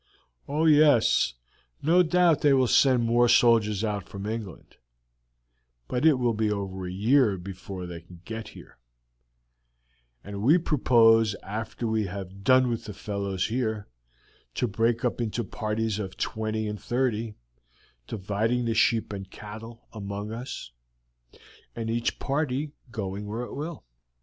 "Oh, yes, no doubt they will send more soldiers out from England, but it will be over a year before they can get here; and we propose after we have done with the fellows here to break up into parties of twenty and thirty, dividing the sheep and cattle among us, and each party going where it will.